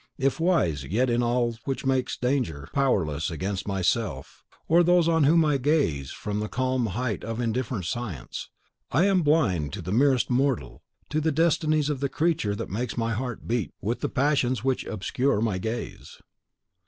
If wise, yet in all which makes danger powerless against myself, or those on whom I can gaze from the calm height of indifferent science, I am blind as the merest mortal to the destinies of the creature that makes my heart beat with the passions which obscure my gaze."